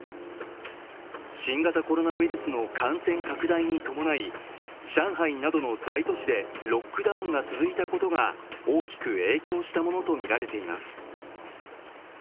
新型コロナウイルスの感染拡大に伴い、上海などの大都市でロックダウンが続いたことが大きく影響したものとみられています。